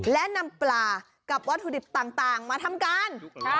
และนำปลากับวัตถุดิบต่างมาทำการ